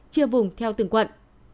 chia vùng theo từng quận